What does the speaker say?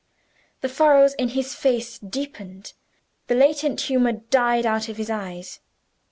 The furrows in his face deepened, the latent humor died out of his eyes.